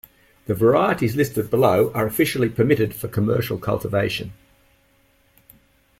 The varieties listed below are officially permitted for commercial cultivation.